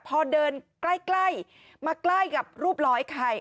พอเดินใกล้มาใกล้กับรูปลอไอ้ไข่